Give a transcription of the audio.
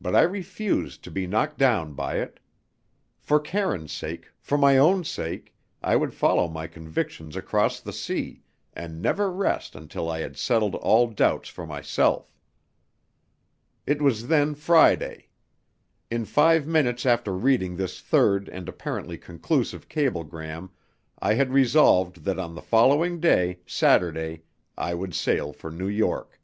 But I refused to be knocked down by it. For Karine's sake, for my own sake, I would follow my convictions across the sea, and never rest until I had settled all doubts for myself. It was then Friday. In five minutes after reading this third and apparently conclusive cablegram I had resolved that on the following day, Saturday, I would sail for New York.